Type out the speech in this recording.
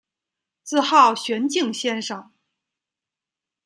自号玄静先生。